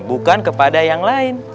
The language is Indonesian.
bukan kepada yang lain